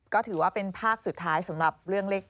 ก็ถือว่าเป็นภาคสุดท้ายสำหรับเรื่องเลข๗